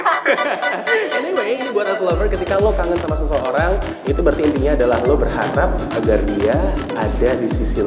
hahaha anyway buat as lover ketika lo kangen sama seseorang itu berarti intinya adalah lo berharap agar dia ada di sisi lain